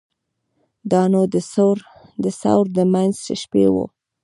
دا نو د ثور د منځ شپې وې.